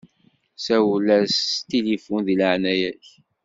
Sawel-as s tilifun di leɛnaya-k.